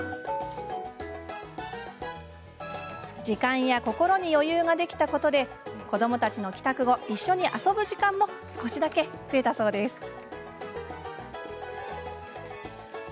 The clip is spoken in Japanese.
時間や心に余裕ができたことで子どもたちの帰宅後一緒に遊ぶ時間も少しだけ増えたそうです。